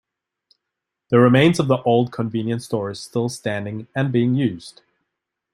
The remains of the old convenience store is still standing and being used.